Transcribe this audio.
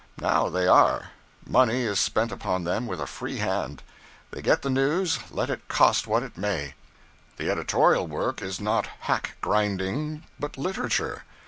Now they are. Money is spent upon them with a free hand. They get the news, let it cost what it may. The editorial work is not hack grinding, but literature.